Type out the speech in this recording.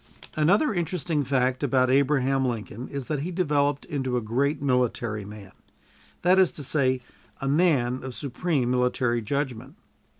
Another interesting fact about Abraham Lincoln is that he developed into a great military man; that is to say, a man of supreme military judgment.